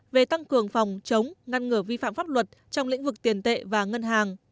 về tăng cường phòng chống ngăn ngừa vi phạm pháp luật trong lĩnh vực tiền tệ và ngân hàng